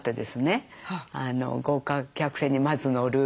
豪華客船にまず乗る。